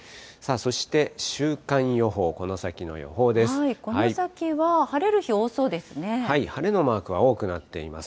そして、週間予報、この先の予報この先は晴れる日、多そうで晴れのマークが多くなっています。